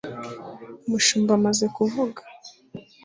umushumba amaze kuvuga